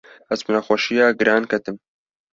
ez bi nexweşîya giran ketim.